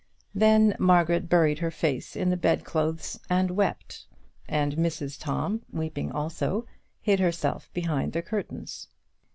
Then Margaret buried her face in the bed clothes and wept, and Mrs Tom, weeping also, hid herself behind the curtains.